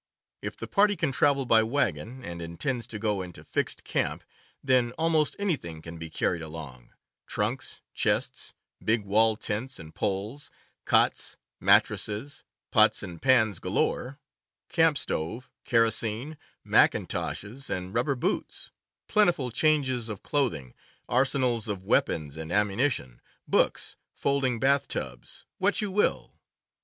If the party can travel by wagon, and intends to go into fixed camp, then almost anything can be carried along — trunks, chests, big wall tents and poles, cots, mattresses, pots and pans galore, camp stove, kerosene, mackintoshes and rubber boots, plentiful changes of clothing, arsenals of weapons and ammunition, books, folding bath tubs — what you will.